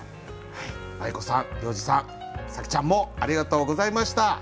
まい子さん要次さん紗季ちゃんもありがとうございました。